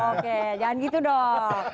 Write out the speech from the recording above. oke jangan gitu dong